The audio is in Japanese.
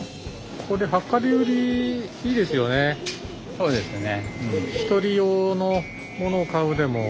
そうですよね。